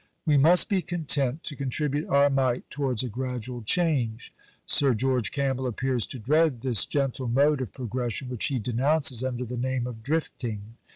"We must be content to contribute our mite towards a gradual change.... Sir George Campbell appears to dread this gentle mode of progression which he denounces under the name of drifting.